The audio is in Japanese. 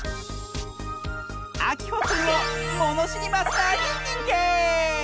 あきほくんをものしりマスターににんてい！